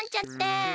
あ。